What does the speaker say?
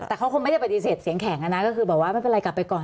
แต่เขาคงไม่ได้ปฏิเสธเสียงแข็งนะไม่เป็นไรกลับไปก่อน